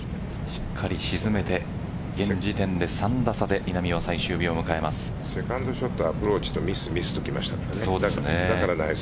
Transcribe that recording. しっかり沈めて現時点で３打差でセカンドショットアプローチとミス、ミスときました。